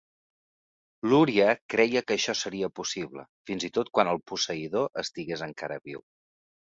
Luria creia que això seria possible, fins i tot quan el posseïdor estigués encara viu.